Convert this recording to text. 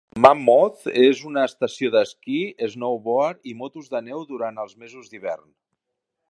Mammoth és una estació d'esquí, snowboard i motos de neu durant els mesos d'hivern.